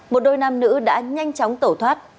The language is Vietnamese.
một đôi nam nữ đã nhanh chóng tổ thoát